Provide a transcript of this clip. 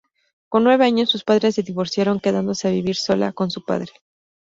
Con nueve años sus padres se divorciaron, quedándose a vivir sola con su padre.